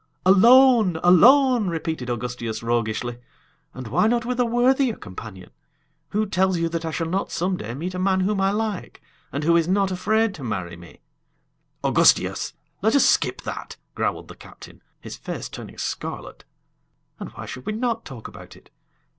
"Alone! Alone!" repeated Augustias, roguishly. "And why not with a worthier companion? Who tells you that I shall not some day meet a man whom I like, and who is not afraid to marry me?" "Augustias! let us skip that!" growled the captain, his face turning scarlet. "And why should we not talk about it?"